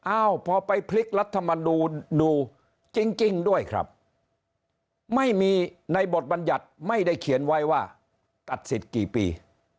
อ้าวพอไปพลิกรัฐมนูลดูจริงด้วยครับไม่มีในบทบรรยัติไม่ได้เขียนไว้ว่าตัดสิทธิ์กี่ปี